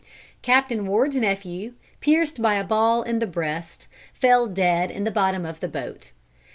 Captain Ward's nephew, pierced by a ball in the breast, fell dead in the bottom of the boat.